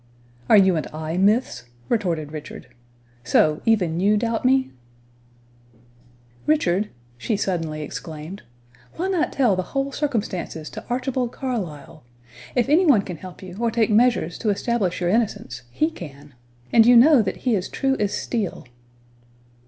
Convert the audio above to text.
"Are you and I myths?" retorted Richard. "So, even you doubt me?" "Richard," she suddenly exclaimed, "why not tell the whole circumstances to Archibald Carlyle? If any one can help you, or take measures to establish your innocence, he can. And you know that he is true as steel."